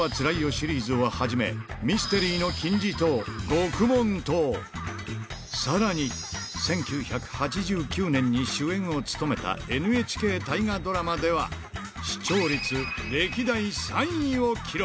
シリーズをはじめ、ミステリーの金字塔、獄門島、さらに、１９８９年に主演を務めたＮＨＫ大河ドラマでは、視聴率歴代３位を記録。